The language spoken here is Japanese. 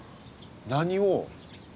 何を？